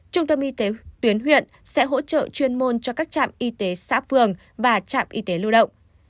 trung tâm y tế tuyến huyện sẽ hỗ trợ chuyên môn cho các trạm y tế xã phường và trạm y tế lưu động